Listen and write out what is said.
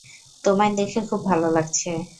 তোমায় দেখে খুব ভালো লাগছে।